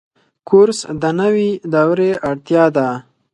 کورس د نوي دورې اړتیا ده.